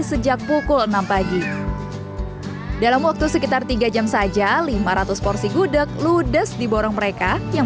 sejak pukul enam pagi dalam waktu sekitar tiga jam saja lima ratus porsi gudeg ludes di borong mereka yang